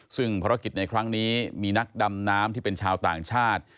ซึ่งภารกิจในครั้งนี้มีนักดำน้ำที่เป็นชาวต่างชาติ